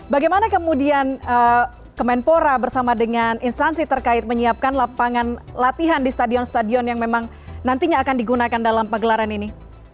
bagaimana kemudian kemenpora bersama dengan instansi terkait menyiapkan lapangan latihan di stadion stadion yang memang nantinya akan digunakan dalam pegelaran ini